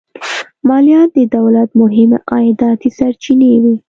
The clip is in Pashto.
مالیات د دولت مهمې عایداتي سرچینې وې.